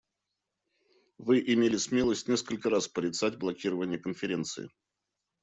Вы имели смелость несколько раз порицать блокирование Конференции.